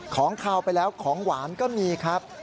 ของขาวไปแล้วของหวานก็มีครับ